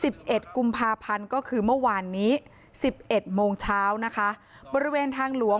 เอ็ดกุมภาพันธ์ก็คือเมื่อวานนี้สิบเอ็ดโมงเช้านะคะบริเวณทางหลวง